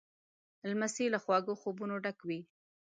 لمسی له خواږه خوبونو ډک وي.